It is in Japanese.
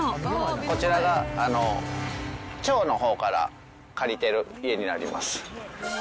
こちらが、町のほうから借りてる家になります。